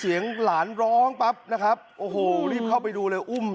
เสียงหลานร้องปั๊บนะครับโอ้โหรีบเข้าไปดูเลยอุ้ม